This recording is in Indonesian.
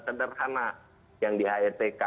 sederhana yang di aetk